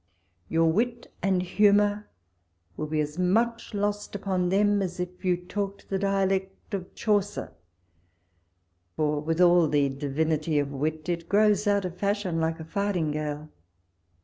Your wit and humour will be as much lost upon them, as if you talked the dialect of Chaucer ; for with all the divinity of wit, it grows out of fashion like a fardingale.